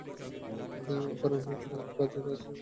অকারণ ওঠা এবং নামার আজ আর বিরাম নাই।